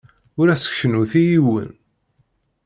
Ur as-kennut i yiwen.